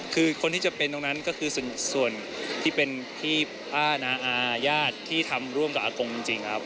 คือคนที่จะเป็นตรงนั้นก็คือส่วนที่เป็นที่ป้านาอาญาติที่ทำร่วมกับอากงจริงครับ